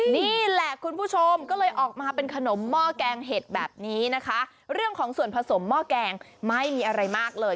นี่แหละคุณผู้ชมก็เลยออกมาเป็นขนมหม้อแกงเห็ดแบบนี้นะคะเรื่องของส่วนผสมหม้อแกงไม่มีอะไรมากเลย